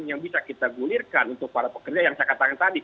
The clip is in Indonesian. yang bisa kita gulirkan untuk para pekerja yang saya katakan tadi